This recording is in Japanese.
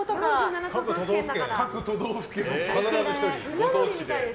各都道府県で。